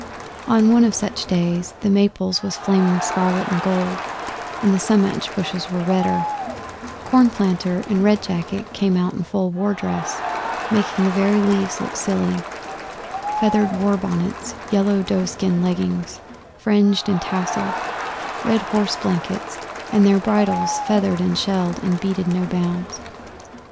On one of such days the maples was flaming scarlet and gold, and the sumach bushes were redder Cornplanter and Red Jacket came out in full war dress, making the very leaves look silly: feathered war bonnets, yellow doeskin leggings, fringed and tasselled, red horse blankets, and their bridles feathered and shelled and beaded no bounds.